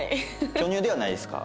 巨乳ではないですか？